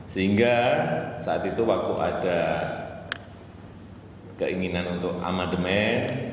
sehingga saat itu waktu ada keinginan untuk amandemen